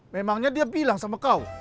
memangnya dia bilang sama kau